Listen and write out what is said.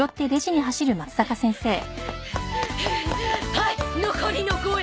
はいっ残りの５円！